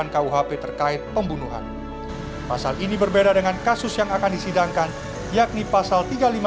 tiga ratus tiga puluh delapan kau hp terkait pembunuhan pasal ini berbeda dengan kasus yang akan disidangkan yakni pasal